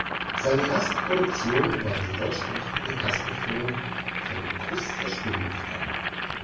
Seine erste Produktion war die deutschsprachige Erstaufführung von "Kuss der Spinnenfrau.